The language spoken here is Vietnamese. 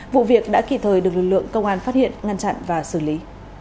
vụ việc đã kịp thời được lực lượng công an phát hiện ngăn chặn và xử lý